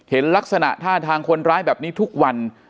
เห็นลักษณะท่าทางคนร้ายแบบนี้ทุกวัน